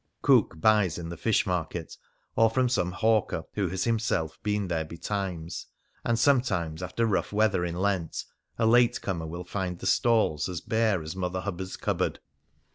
The cook buys in the fish market, or from some hawker who has himself been there betimes ; and sometimes after rough weather in Lent, a late comer will find the stalls as bare as Mother Hubbard's cupboard.